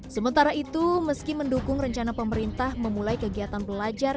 sementara itu meski mendukung rencana pemerintah memulai kegiatan belajar